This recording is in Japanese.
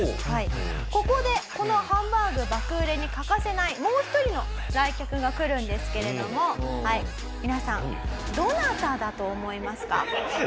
ここでこのハンバーグ爆売れに欠かせないもう１人の来客が来るんですけれども皆さんどなただと思いますか？